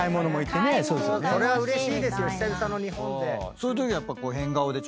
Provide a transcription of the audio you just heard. そういうときやっぱ。